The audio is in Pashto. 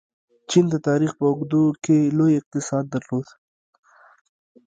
چین د تاریخ په اوږدو کې لوی اقتصاد درلود.